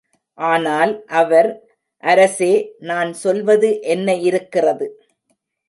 ஆனால் அவர், அரசே, நான் சொல்வது என்ன இருக்கிறது!